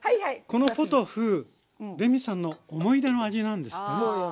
このポトフレミさんの思い出の味なんですってねそうよ。